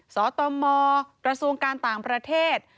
สอดมกระสูงการต่างประเทศ